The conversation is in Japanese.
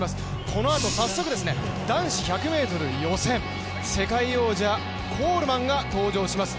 このあと、早速、男子１００ｍ予選世界王者・コールマンが登場します。